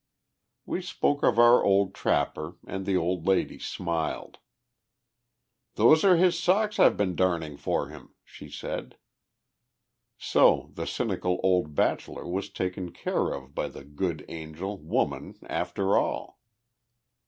We spoke of our old trapper, and the old lady smiled. "Those are his socks I've been darning for him," she said. So the cynical old bachelor was taken care of by the good angel, woman, after all!